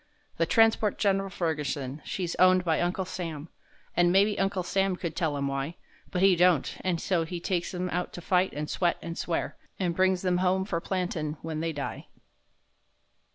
The transport Gen'ral Ferguson, she's owned by Uncle Sam, An' maybe Uncle Sam could tell 'em why, But he don't—and so he takes 'em out to fight, and sweat, and swear, An' brings them home for plantin' when they die.